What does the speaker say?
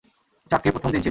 চাকরির প্রথম দিন ছিল।